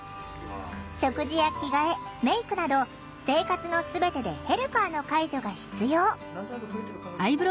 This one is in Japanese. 食事や着替えメークなど生活の全てでヘルパーの介助が必要。